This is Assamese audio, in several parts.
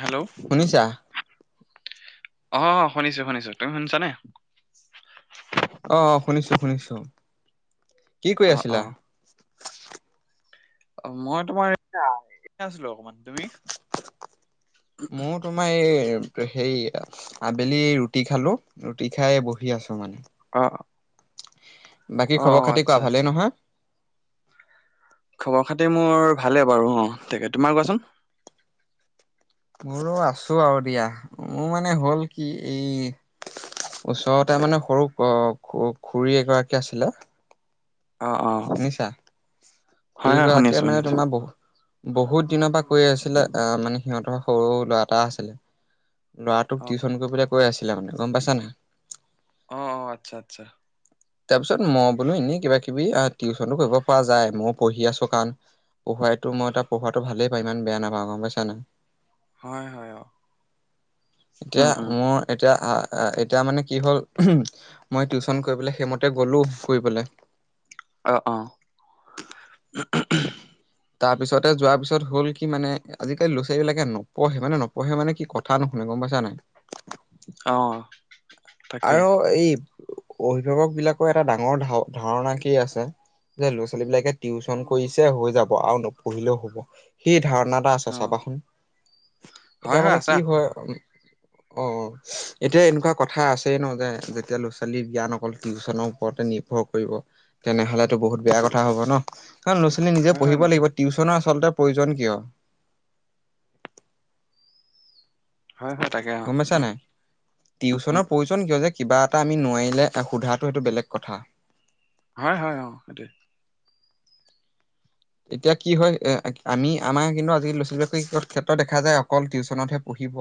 হেল্ল'। শুনিছা। অ', শুনিছো শুনিছো তুমি শুনিছানে। অ', অ', শুনিছো শুনিছো, কি কৰি অ আছিলা। অ অ', মই তোমাৰ এয়া এনে আছিলো অকণমান তুমি। মোৰ তোমাৰ এই হে আবেলি ৰুটি খালো ৰুটি সাই বহি আছো মানে। অ'। বাকী অ অ খবৰ খাতি কোৱা আচ্ছা ভালেই আচ্ছা নহয়। খবৰ খাতি মোৰ ভালে বাৰু অ', তাকে তোমাৰ কোৱাচোন। মোৰো আছো আৰু দিয়া, মোৰ মানে হ'ল কি এই ওচৰতে মানে সৰু গ খুৰী এগৰাকী আছিলে। অ', অ'। হয় খুৰী হয় শুনি গৰাকীয়ে আছো শুনি মানে আছো তোমাৰ বহুত বহুত দিনৰ পৰা কৈ আছিলে আহ মানে সিহঁতৰ সৰু ল'ৰা এটা আছিলে। ল'ৰাটোক অ টিউশ্যন কৰিবলৈ গৈ আছিলে মানে গ'ম পাইছা ন। অ', অ', আচ্ছা আচ্ছা। তাৰ পিছত মই বোলো এনেই কিবা, কিবি টিউচনো কৰিব পৰা যায় মইও পঢ়ি আছো কাৰণ পঢ়াইো মই ত পঢ়োৱাটো ভালেই পাওঁ ইমান বেয়া নাপাওঁ গ'ম পজছা নে। হয় হয় অ'। এতিয়া উম উম মোৰ এতিয়া অ', এতিয়া মানে কি হ'ল মই টিউচন কৰিবলৈ হেমতে গলো ফুৰি পেলাই। অ', অ'। তাৰ পিছতে যোৱাৰ পিছত হ'ল কি মানে আজিকালি ল'ৰা, ছোৱালীবিলে নপঢ়ে মানে নপঢ়ে মানে কি কথা নুশুনে গ'ম পাইছা নাই। নপহে [inaudible] অ'। তাকে আৰু এই অভিভাৱক বিলাকৰ এটা ডাঙৰ ধা-ধাৰণা কি আছে। ল'ৰা, ছোৱালী বিলাকে টিউচন কৰিছে হৈ যাব আৰু নপঢ়িলেও হ'ব সেই ধাৰণাত অ আছে চাবা সোণ, হয় এতিয়া হয় মানে আছা কি হয় উম। অ', অ', এতিয়া এনেকুৱা কথা আছে। স নযায় যেতিয়া লো, ছোৱালী জ্ঞান অকল টিউশচনৰ ওপৰতে নিৰ্ভৰ কৰিব। তেনেহ'লেতো বহুত বেয়া কথা হ'ব ন কাৰ ল'ৰা, ছোৱালী নিজে হয় হয় পঢ়িব নিশ্চয় লাগিব টিউশচনৰ আচলতে পৰিজন কিয়। হয় হয় তাকে অ গম পইচা নাই। উম টিউশ্যনৰ পৰিজন কিয় যে কিবা এটা আমি নোৱাৰিলে সোধাটো সেইটো বেলেগ কথা। হয় হয় অ', সেইটো। এতিয়া কি হয় আমি আমাৰ কিন্তু আজিকি ল'ৰা, ছালীৰ ক্ষেত্ৰত দেখা যায় অকল টিউশ্যনতহে পঢ়িব।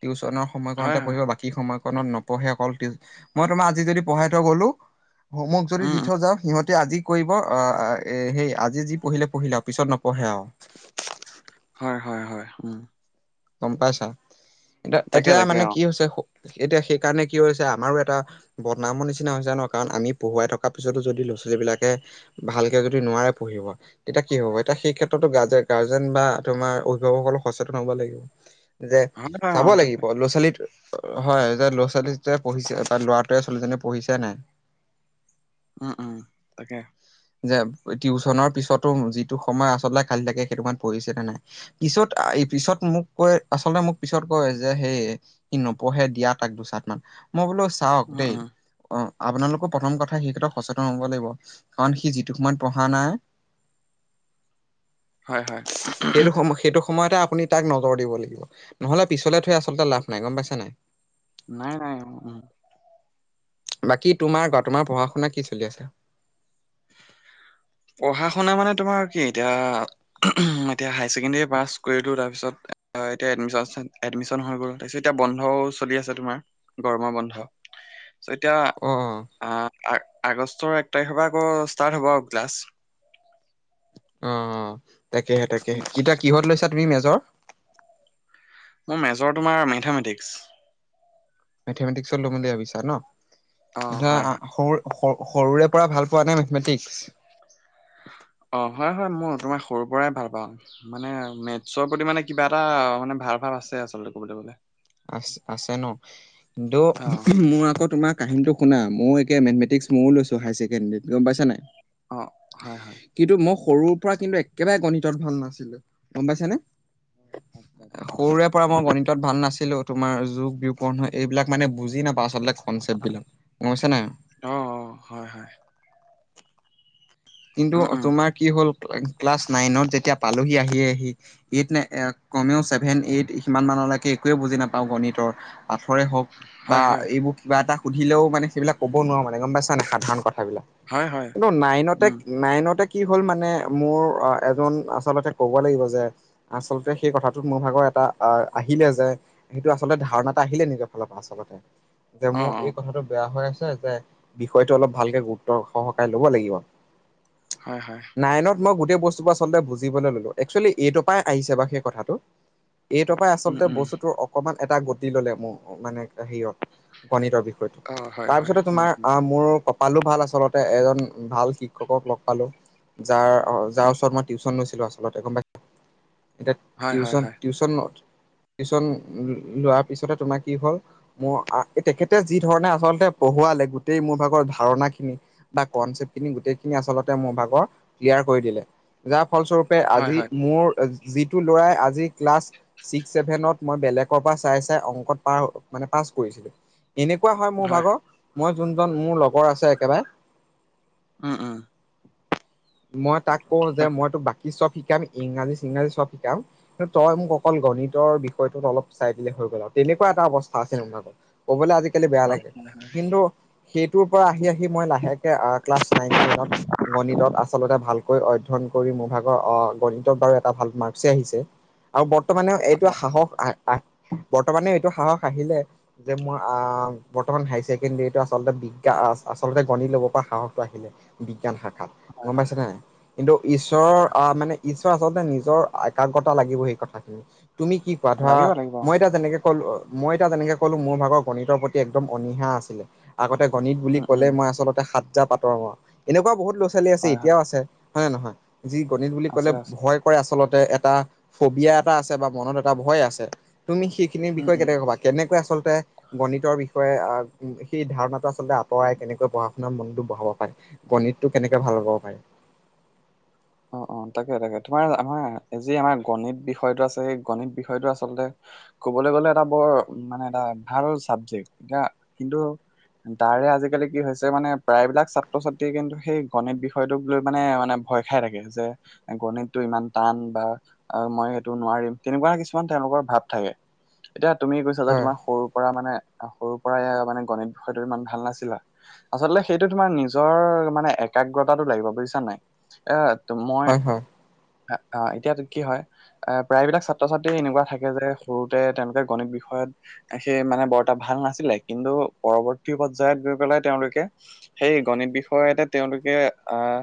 টিউশনৰ। হয় সময়কনতে হয় পঢ়িব বাকী সময়কনত নপঢ়ে অকল, মই তোমাৰ আজি যদি পঢ়াই থৈ গ'লো গো মোক যদি উম দি উম থৈ যাওঁ সিহঁতে আজি কৰিব আহ সেই আজি যি পঢ়িলে পঢ়িলে আৰু, পিছত নপঢ়ে আৰু। হয় হয় হয় উম। গম পাইছা, তাকে এতিয়া-এতিয়া তাকে মানে অ কি হৈছে এতিয়া সেইকাৰণে কি হৈছে আমাৰো এটা বদনামৰ নিচিনা হৈছে জানো কাৰণ আমি পঢ়ুৱাই থকাৰ পিছতো যদি লো, ছোৱালী বিলাকে ভালকে যদি নোৱাৰে পঢ়িব এতিয়া কি হ'ব এতিয়া সেই ক্ষেত্ৰতো গাৰ্জেন বা তোমাৰ অভিভাৱকলে সচেতন হ'ব লাগিব। যে হয় হয় অ চাব সেইটো লাগিব হয়, ল'ৰা ছোৱালীত হয় যে ল'ৰা ছোৱালী যে পঢ়িছে বা ল'ৰাটোৱে ছোৱালীজনীয়ে পঢ়িছে নে নাই উম উম তাকে যে টিউশচনৰ পিছতো যিটো সময় আচলতে খালি থাকে সেইটো সময় পঢ়িছে নে নাই। পিছত আ পিছত মোক কয় আচলতে মোক পিছত কয় যে সেই সি নপঢ়ে দিয়া তাক দুচাত মান মই বোলো চাওক উম দেই উম অ আপোনালোকৰ প্ৰথম কথা সেই ক্ষেত্ৰত সচেতন হ'ব লাগিব। কাৰণ সি যিটো সময় পঢ়া নাই হয় হয় সেইটো সময় সেইটো সময়তে আপুনি তাক নজৰ দিব লাগিব। নহ'লে পিছলে থৈ আচলতে লাভ নাই গম পাইছা নে নাই নাই নাই উ উহু বাকী তোমাৰ কোৱা তোমাৰ পঢ়া শুনা কি চলি আছে? পঢ়া শুনা মানে তোমাৰ কি এতিয়া এতিয়া হায়াৰ ছেকেণ্ডেৰী পাছ কৰিলোঁ তাৰপিছত এতিয়া এডমিশন এডমিশন হৈ গ'ল তাৰপিছত এতিয়া বন্ধও চলি আছে তোমাৰ গৰমৰ বন্ধ চ এতিয়া অ আ আগষ্টৰ এক তাৰিখৰ পৰা আকৌ ষ্টাৰ্ট হ'ব আৰু ক্লাছ অ অ তাকেহে তাকেহে এতিয়া কিহত লৈছা তুমি মেজৰ মোৰ মেজৰ তোমাৰ মেথেমেটিক্স মেথেমেটিক্সত ল'ম বুলি ভাবিছা ন অ এতিয়া হয় হয় সৰু সৰুৰে পৰা ভাল পোৱা ন মেথমেটিক্স অ হয় হয় মই তোমাৰ সৰুৰ পৰাই ভাল পাওঁ মানে মেথছৰ প্ৰতি মানে কিবা এটা মানে ভাল ভাৱ আছে আচলতে কবলৈ গলে আছে আছে ন কিন্তু অ মোৰ আকৌ তোমাৰ কাহিনীটো শুনা মই একে মেথেমেটিক্স মইয়ো লৈছো হায়াৰ ছেকেডেৰীত গম পাইছ নাই অ হয় হয় কিন্তু মই সৰুৰ পৰা কিন্তু একেবাৰে গণিতত ভাল নাছিলো গম পাইছানে সৰুৰে পৰা মই গণিতত ভাল নাছিল ছিলো তোমাৰ যোগ বিয়োগ পুৰণ হৰণ এইবিলাক মানে বুজি নাপাও আচলতে কনচেপ্ট বিলাক বুজিছা নাই। অ অ হয় হয় কিন্তু উম উম তোমাৰ কি হ'ল ক্লাছ নাইনত যেতিয়া পালোহি আহি আহি এইট নে কমেও ছেভেন এইট সিমান মানলৈকে একোৱে বুজি নাপাওঁ গণিতৰ আখৰে হওক বা হয় হয়, এইবোৰ কিবা এটা সুধিলেও মানে সেইবিলাক ক'ব নোৱাৰো মানে গম পাইছা নে সাধাৰণ কথাবিলাক হয় হয়, কিন্তু নাইনতে উম, নাইনতে কি হ'ল মানে মোৰ এজন আচলতে ক'ব লাগিব যে আচলতে সেই কথাটোত মোৰ ভাগৰ এটা আহ আহিলে যে সেইটো আচলতে ধাৰণা এটা আহিলে নিজৰ ফালৰ পৰা আচলতে যে অ', মোৰ এই অ', কথাটো বেয়া হৈ আছে যে বিষয়টো অলপ ভালকে গুৰুত্ব সহকাৰে লব লাগিব হয় হয় নাইনত মই গোটেই বস্তুবোৰ আচলতে বুজিবলৈ ল'লোঁ একচুৱেলি এইটোৰপই আহিছে বাৰু সেই কথাটো এইটো পাই উম, আচলতে উম, বস্তুতটো অকমান এটা গতি ললে মোৰ মানে হেৰিয়ত গণিতৰ বিষয়টো অ', হয় হয়, তাৰপিছতে উম, তোমাৰ উম, আহ মোৰ কপালো ভাল আচলতে এজন ভাল শিক্ষ ক্ষকক লগ পালো যাৰ অ যাৰ ওচৰত মই টিউচন লৈছিলো আচলতে গম পাই এতিয়া হয় হয় টিউচন হয়, টিউচন টিউচন লোৱাৰ পিছতে তোমাৰ কি হ'ল মোৰ আ তেখেতে যি ধৰণে আচলতে পঢ়ুৱালে গোটেই মোৰ ভাগৰ ধাৰণা খিনি বা কনচেপ্টখিনি গোটেই খিনি আচলতে মোৰ ভাগৰ ক্লিয়াৰ কৰি দিলে, যাৰ ফলস্বৰূপে হয় আজি হয়, মোৰ যিটো ল'ৰাই আজি ক্লাছ ছিক্স ছেভেনত মই বেলেগৰ পৰা চাই, চাই অংকত মানে পাছ কৰিছিলোঁ। এনেকুৱা হয় মোৰ ভাগৰ, মই যোনজন মোৰ লগৰ আছে একেবাৰে উম, উম। মই তাক কওঁ যে মই তোক বাকী চব শিকাম, ইংৰাজী-চিংৰাজী চব শিকাম, কিন্তু তই মোক অকল গণিতৰ বিষয়টোত অলপ চাই দিলে হৈ গ'ল আৰু। তেনেকুৱা এটা অৱস্থা আছিল মোৰ ভাগৰ। ক'বলৈ আজিকালি বেয়া হয় লাগে, হয়, কিন্তু সেইটোৰ পৰা আহি, আহি মই লাহে ক্লাছ নাইন, টেনত গণিত আচলতে ভালকৈ অধ্যয়ন কৰি, মোৰ ভাগৰ অ' গণিতত বাৰু এটা ভাল মাৰ্কচে আহিছে। আৰু বৰ্তমানেও এইটো সাহস আহ, আহ বৰ্তমানেও এইটো সাহস আহিলে যে মোৰ, বৰ্তমান হাইছেকেণ্ডৰীটো আচলতে, আচলতে গণিত ল'ব পৰা সাহসটো আহিলে। বিজ্ঞান শাখাত, হয় গম হয়, পাইছে নে নাই, কিন্তু ঈশ্বৰৰ আহ, মানে ঈশ্বৰ আচলতে নিজৰ একাগ্ৰতা লাগিব, সেই কথাখিনি তুমি কি কোৱা, ধৰা লাগিব লাগিব, মই এতিয়া যেনেকে ক'লো, মই এতিয়া যেনেকে ক'লো, মোৰ ভাগৰ গণিতৰ প্ৰতি একদম অনীহা আছিলে আগতে গণিত বুলি উম, ক'লে উম, মই আচলতে সাতজাপ আতৰ হওঁ, এনেকুৱা বহুত ল'ৰা ছোৱালী আছে, হয় হয়, এতিয়াও আছে। হয়নে নহয়, যি গণিত বুলি আছে ক'লে আছে, ভয় কৰে আচলতে, এটা ফবিয়া এটা আছে বা মনত এটা ভয় আছে, তুমি সেইখিনিৰ উম, বিষয়ে উম। কেনেকে ক'বা? কেনেকৈ আচলতে গণিতৰ বিষয়ে আহ, সেই ধাৰণাটো আচলতে আঁতৰাই, কেনেকৈ পঢ়া শুনাত মনটো বঢ়াব পাৰি গণিতটো কেনেকে ভাল পাব পাৰি। অ', অ', তাকে তাকে, তোমাৰ আমাৰ যি আমাৰ গণিত বিষয়টো আছে, সেই গণিত বিষয়টো আচলতে ক'বলৈ গ'লে এটা বৰ, মানে এটা ভাল চাবজেক্ট, এতিয়া কিন্তু তাৰে আজিকালি কি হৈছে মানে, প্ৰায়বিলাক ছাত্ৰ-ছাত্ৰীয়ে কিন্তু সেই, গণিত বিষয়টোক লৈ মানে মানে ভয় খাই থাকে যে গণিতটো ইমান টান, বা মই সেইটো নোৱাৰিম, তেনেকুৱা কিছুমান তেওঁলোকৰ ভাৱ থাকে। এতিয়া তুমি কৈছা যে হয়। তোমাৰ সৰু পৰা মানে, সৰুৰ পৰাই মানে গণিত বিষয়টোত ইমান ভাল নাছিলে। আচলতে সেইটো তোমাৰ নিজৰ, মানে একাগ্ৰতাটো লাগিব বুজিছা নাই। এ, মই, হয় হয়। এতিয়া কি হয়? এ, প্ৰায়বিলাক ছাত্ৰ-ছাত্ৰী এনেকুৱা থাকে যে সৰুতে, তেওঁলোকে গণিত বিষয়ত সেই মানে বৰ এটা ভাল নাছিলে, কিন্তু পৰৱৰ্তী পৰ্যায়ত গৈ পেলাই তেওঁলোকে সেই গণিত বিষয়তে তেওঁলোকে, আহ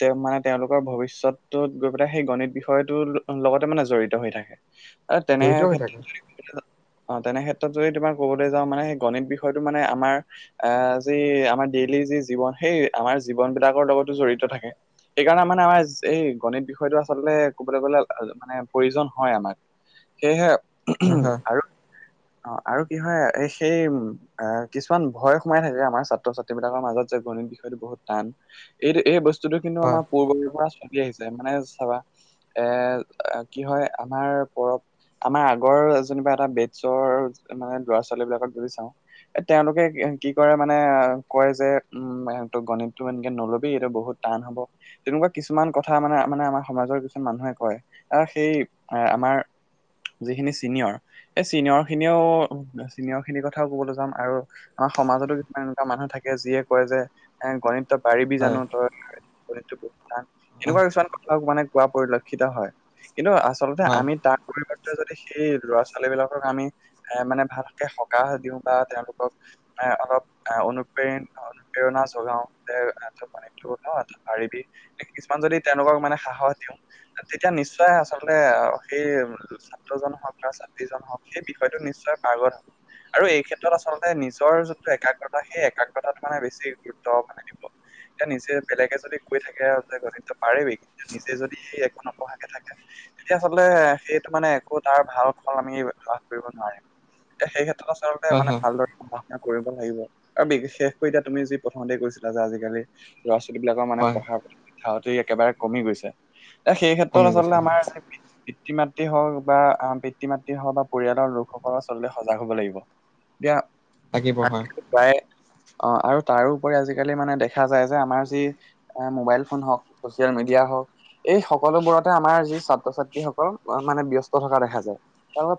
তেওঁ মানে, তেওঁলোকৰ ভৱিষ্যতটোত গৈ পেলাই, সেই গণিত বিষয়টো লগতে মানে জড়িত হৈ থাকে। [inaudible] অ, তেনে হৈ থাকে। ক্ষেত্ৰত অ', তেনে ক্ষেত্ৰত যদি তোমাৰ ক'বলৈ যাওঁ, মানে সেই গণিত বিষয়টো মানে, আমাৰ আহ, যি আমাৰ ডেইলি যি জীৱন, সেই আমাৰ জীৱন বিলাকৰ লগতো জড়িত থাকে। সেইকাৰণে মানে আমাৰ, এই গণিত বিষয়টো আচলতে ক'বলৈ গলে মানে, প্ৰয়োজন হয় আমাক। সেয়েহে হয় হয় আৰু অ', আৰু কি হয়, সেই উম আহ কিছুমান ভয় সোমাই থাকে, আমাৰ ছাত্ৰ-ছাত্ৰী বিলাকৰ মাজত যে গণিত বিষয়টো বহুত টান। এইটো, এই বস্তুটো কিন্তু হয় আমাৰ পূৰ্বৰ পৰা ছলি আহিছে, মানে চাবা এ, কি হয়, আমাৰ পৰ আমাৰ আগৰ যেনিবা এটা বেডছৰ, মানে ল'ৰা-ছোৱালী বিলাকক যদি চাওঁ এ তেওঁলোকে কি কৰে মানে কয় যে উম স তই গণিতটো এমানকে নল'বি এইটো বহুত টান হ'ব। তেনেকুৱা কিছুমান কথা মানে মানে আমাৰ সমাজৰ কিছুমান মানুহে কয়, আহ সেই এ আমাৰ যিখিনি চিনিয়ৰ এই চিনিয়ৰ খিনিও চিনিয়ৰ খিনিৰ কথাও কবলৈ যাম। আৰু আমাৰ সমাজতো কিছুমান এনেকুৱা মানুহ থাকে যিয়ে কয় যে এ গণিত তই পাৰিবি জানো হয় তই এনেকুৱা কিছুমান মানে কোৱা পৰিলক্ষিত হয়, কিন্তু আচলতে হয় আমি তাৰ পৰিৱৰ্তে যদি সেই ল'ৰা ছোৱালী বিলাকক আমি এ মানে ভালকে সকাহ দিওঁ বা তেওঁলোকক অলপ অনুপ্ৰেৰণ অনুপ্ৰেৰণা যোগাও পাৰিবি কিছুমান যদি তেওঁলোকক মানে সাহস দিওঁ তেতিয়া নিশ্চয় আচলতে সেই ছাত্ৰ জন হওঁক বা ছাত্ৰীজন হওঁক এই বিষয়টো নিশ্চয় পাৰ্গত হব। আৰু এই ক্ষেত্ৰত আচলতে নিজৰ যিটো একাগ্ৰতা সেই একাগ্ৰতাতো মানে বেছি গুৰুত্ব হ'ব মানে। দিব [inaudible] এতিয়া নিজে বেলেগে যদি কৈ থাকে যে গণিত পাৰাবি, কিন্তু নিজে যদি সি একো নপ়ঢ়াকে থাকে তেতিয়া হ'লে সেইটো মানে একো তাৰ ভাল ফল আমি লাভ কৰিব নোৱাৰিম। তে সেই ক্ষেত্ৰত আছে আৰু হয় মানে হয় ভালদৰে পঢ়া শুনা কৰিব লাগিব, আৰু বিশেষ কৈ এতিয়া তুমি যি প্ৰথমতে কৈছিলা যে আজিকালি ল'ৰা ছোৱালীবলাকৰ মানে হয় পঢ়াৰ প্ৰতি ঢাউটি একেবাৰে কমি গৈছে। এ সেই ক্ষেত্ৰত কমি গৈছে আচলতে হয় আমাৰ পিতৃ মাতৃ হওঁক বা আম পিতৃ মাতৃ হওঁক বা পৰিয়ালৰ লোকসকলৰ আচলতে সজাগ হ'ব লাগিব। এতিয়া লাগিব হয়। প্ৰায় অ' আৰু তাৰোপৰি আজিকালি মানে দেখা যায় যে আমাৰ যি এ মোবাইল ফোন হওঁক চচিয়েল মিডিয়া হওঁক এই সকলোবোৰতে আমাৰ যি ছাত্ৰ ছাত্ৰীসকল মানে ব্যস্ত থকা দেখা যায়।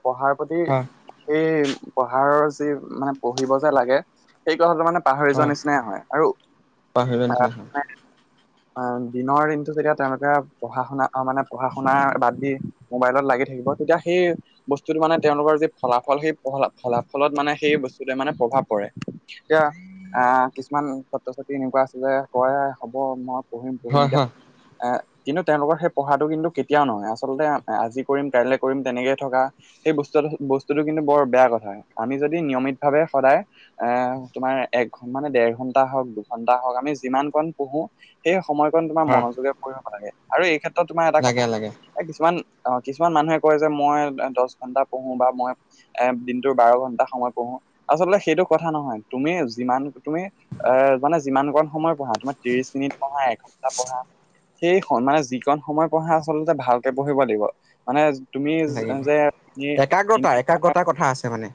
পঢ়াৰ প্ৰতি হয় সেই পঢ়াৰ যি মানে পঢ়িব যে লাগে সেই কথাটো মানে পাহৰি যোৱা নিচিনায়ে হয। আৰু পাহৰি যোৱা নিচিনা হ'য়। অ' দিনৰ দিনতটো যেতিয়া তেওঁলোকে পঢ়া শুনা মানে পঢ়া শুনা বাদ দি মোবাইলত লাগি থাকিব, তেতিয়া সেই বস্তুটো মানে তেওঁলোকৰ যি ফলাফল সেই ফলাফলত মানে সেই বস্তুটোৱে মানে প্ৰভাৱ পৰে। এতিয়া আহ কিছুমান ছাত্ৰ ছাত্ৰী ত্ৰী এনেকুৱা আছিল যে কয় হ'ব মই পঢ়িম পঢ়িম হয় কে হয় এ কিন্তু তেওঁলোকৰ সেই পঢ়াটো কিন্তু কেতিয়াও নহয়, আচলতে আজি কৰিম কাইলৈ কৰিম তেনেকে থকা সেই বস্তু বস্তুটো কিন্তু বৰ বেয়া কথা, আমি যদি নিয়মিতভাৱে সদায় এ তোমাৰ এক ঘণ্টা মানে দেৰ ঘন্টা হওঁক ঘন্টা হওঁক আমি যিমান কণ পঢ়ো সেই সময়কণ তোমাৰ হয় মনোযোগে কৰিব লাগে। আৰু এই ক্ষেত্ৰত তোমাৰ এটা কথা লাগে লাগে এ কিছুমান অ' কিছুমান মানুহে কয় যে মই দহ ঘন্টা পঢ়ো বা মই এ দিনটোৰ বাৰ ঘন্টা সময় পঢ়ো, আচলতে সেইটো কথা নহয় তুমি যিমান তুমি এ মানে যিমান কণ সময় পঢ়া তোমাৰ ত্ৰিশ মিনিট পঢ়া এঘণ্টা পঢ়া সেই মানে যিকণ সময় পঢ়া আচলতে ভালকে পঢ়িব লাগিব। মানে তুমি লাগিব। যে তুমি একাগ্ৰতা, একাগ্ৰতাৰ কথা আছে মানে।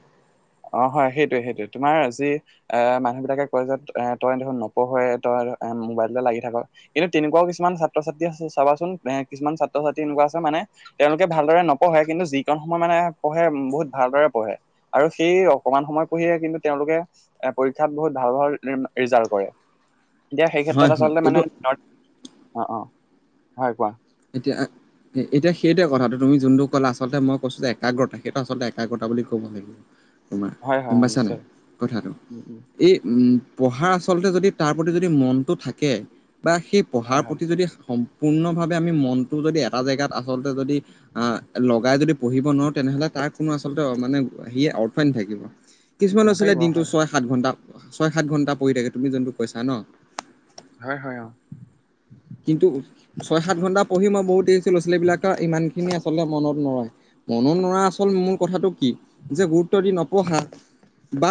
অ', হয় সেইটোৱে, সেইটোৱে তোমাৰ যি অ', মানুহ বিলাকে কয় যে তই দেখোন নপঢ়ই তই মোবাইলতে লাগি থাক। কিন্তু তেনেকুৱাও কিছুমান ছাত্ৰ-ছাত্ৰী আছে চাবাচোন এ, কিছুমান ছাত্ৰ-ছাত্ৰী এনেকুৱা আছে মানে তেওঁলোকে ভালদৰে নপঢ়ে, কিন্তু যিকণ সময় মানে পঢ়ে বহুত ভালদৰে পঢ়ে। আৰু সেই অকমান সময় পঢ়িয়ে কিন্তু তেওঁলোকে এ পৰীক্ষাত বহুত ভাল, ভাল ৰিজাল্ট কৰে। এতিয়া সেই হয় ক্ষেত্ৰত হয় আচলতে এইটো মানে অ', অ' হয় কোৱা? এতিয়া এতিয়া সেইটোৱে কথাটো তুমি যোনটো ক'লা আচলতে মই কৈছোঁ যে একাগ্ৰতা সেইটো আচলতে একাগ্ৰতা বুলি ক'ব লাগিব। তোমাৰ হয় গম হয় অ পাইছা নে নাই নিশ্চয় কথাটো? উম উম এই পঢ়াৰ আচলতে যদি তাৰ প্ৰতি যদি মনটো থাকে বা সেই হয় পঢ়াৰ হয় প্ৰতি যদি সম্পূৰ্ণভাৱে আমি মনটো যদি এটা জেগাত আচলতে যদি অ', লগাই যদি পঢ়িব নোৱাৰোঁ তেনেহ'লে তাৰ কোনো আচলতে মানে সেই অৰ্থই নাথাকিব। কিছুমান আছিলে নাথাকিব দিনটো হয় ছয়, সাত ঘণ্টা ছয়, সাত ঘণ্টা পঢ়ি থাকে তুমি যোনটো কৈছা ন? হয়, হয় অ'। কিন্তু ছয়, সাত ঘণ্টা পঢ়ি মই বহুত দেখিছোঁ ছোৱালীবিলাকৰ ইমানখিনি আচলতে মনত নৰয়। মনত নৰই আচল মূল কথাটো কি যে গুৰুত্ব দি নপঢ়া। বা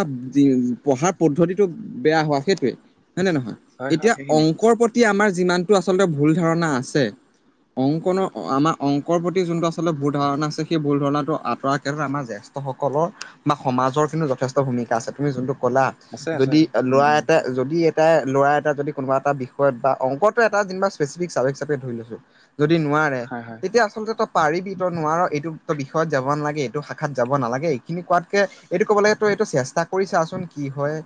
পঢ়াৰ পদ্ধতিটো বেয়া হোৱা সেইটোৱে হয় নাই নহয়? হয় হয় এতিয়া সেইখিনি অংকৰ প্ৰতি আমাৰ যিমানটো আচলতে ভুল ধাৰণা আছে। অংকনৰ আমাৰ অংকৰ প্ৰতি যোনটো আচলতে ভুল ধাৰণা আছে সেই ভুল ধাৰণাটো আঁতৰা সেই আমাৰ জ্যেষ্ঠসকলৰ আমাৰ সমাজৰ কিন্তু যথেষ্ট ভূমিকা আছে তুমি যোনটো ক'লা। আছে আছে যদি উম ল'ৰা উম এটাই যদি এটাই ল'ৰা এটা যদি কোনোবা এটা বিষয়ত বা অংকত এটা স্পেচফিক চাবজেক্ট ধৰি লৈছোঁ যদি নোৱাৰে হয় হয় তেতিয়া আচলতে পাৰিবি তই নোৱাৰ এইটো তো বিষয়ত যাব নালাগে এইটো শাখাত যাব নালাগে এইখিনি কোৱাতকে এইটো ক'ব লাগে তই এইটো চেষ্টা কৰিছাচোন কি হয়।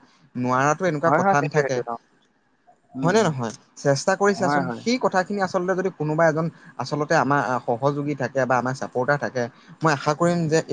নোৱাৰাতটো এনেকুৱা হয় হয় কথা সেইটোৱে নাথাকে সেইটোৱে অ উম হয়নে উম নহয় চেষ্টা হয় কৰিছাচোন হয় সে সেই কথাখিনি আচলতে যদি কোনোবা এজন আচলতে আমাৰ সহযোগী থাকে বা আমাৰ ছাপৰ্টাৰ থাকে। মই আশা কৰিম যে এই